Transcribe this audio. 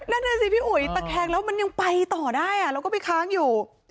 นั่นน่ะสิพี่อุ๋ยตะแคงแล้วมันยังไปต่อได้แล้วก็ไปค้างอยู่